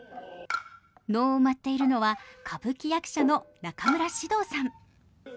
能を舞っているのは歌舞伎役者の中村獅童さん。